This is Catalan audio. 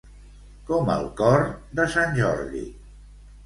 Com el cor de sant Jordi.